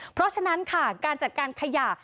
เพราะฉะนั้นค่ะการจัดการขยะ